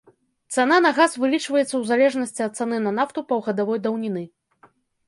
Цана на газ вылічваецца ў залежнасці ад цаны на нафту паўгадавой даўніны.